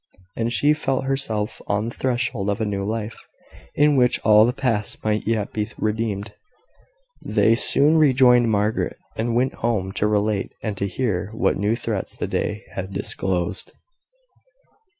And she felt herself on the threshold of a new life, in which all the past might yet be redeemed. They soon rejoined Margaret, and went home to relate and to hear what new threats the day had disclosed.